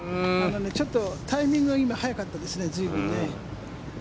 ちょっとタイミングが今、随分早かったですね。